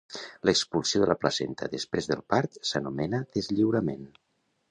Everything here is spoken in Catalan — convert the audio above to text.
L'expulsió de la placenta després del part s'anomena deslliurament.